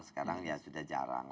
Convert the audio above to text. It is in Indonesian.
sekarang sudah jarang